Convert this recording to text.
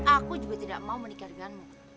aku juga tidak mau menikah denganmu